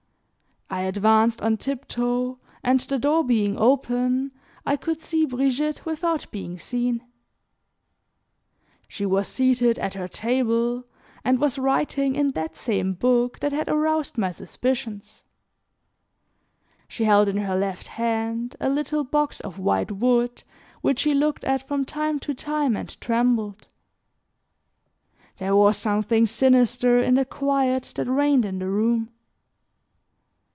I advanced on tiptoe, and the door being open, I could see Brigitte without being seen. She was seated at her table and was writing in that same book that had aroused my suspicions. She held in her left hand, a little box of white wood which she looked at from time to time and trembled. There was something sinister in the quiet that reigned in the room.